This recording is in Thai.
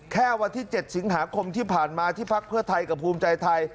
แค่วันที่๗สิงหาคมที่ผ่านมาที่พักเพื่อไทยกับภูมิใจไทย